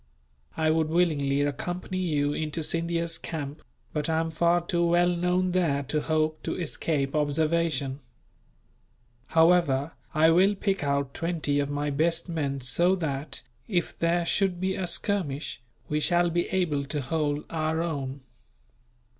I would willingly accompany you into Scindia's camp, but I am far too well known there to hope to escape observation. However, I will pick out twenty of my best men so that, if there should be a skirmish, we shall be able to hold our own.